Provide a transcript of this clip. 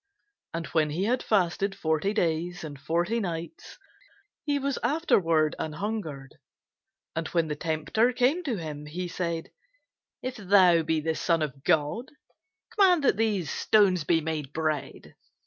And when he had fasted forty days and forty nights, he was afterward an hungred. And when the tempter came to him, he said, If thou be the Son of God, command that these stones be made bread.